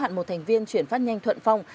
hạn một thành viên chuyển phát nhanh thuận phong